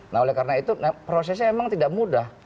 nah oleh karena itu prosesnya memang tidak mudah